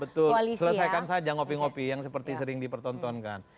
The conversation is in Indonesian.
betul selesaikan saja ngopi ngopi yang seperti sering dipertontonkan